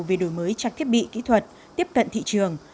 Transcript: về đổi mới trang thiết bị kỹ thuật tiếp cận thị trường